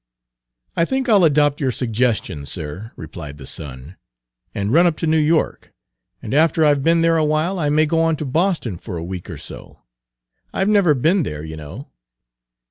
Page 176 "I think I'll adopt your suggestion, sir," replied the son, "and run up to New York; and after I've been there awhile I may go on to Boston for a week or so. I've never been there, you know."